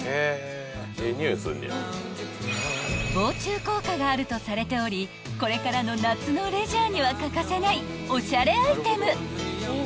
［防虫効果があるとされておりこれからの夏のレジャーには欠かせないおしゃれアイテム］